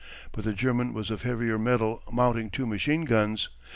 But the German was of heavier metal mounting two machine guns.